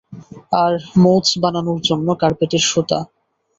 আর মোঁচ বানানোর জন্য কার্পেটের সুতা।